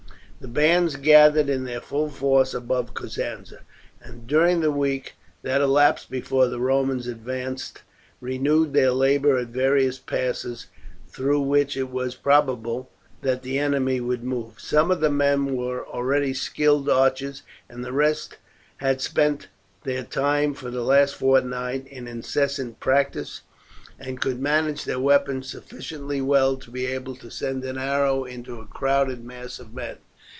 The bands gathered in their full force above Cosenza, and during the week that elapsed before the Romans advanced renewed their labour at various passes through which it was probable that the enemy would move. Some of the men were already skilled archers, and the rest had spent their time for the last fortnight in incessant practice, and could manage their weapons sufficiently well to be able to send an arrow into a crowded mass of men.